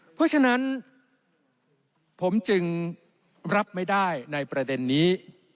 เพราะฉะนั้นผมจึงรับไม่ได้ในประเด็นนี้